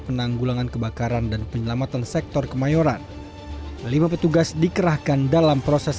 penanggulangan kebakaran dan penyelamatan sektor kemayoran lima petugas dikerahkan dalam proses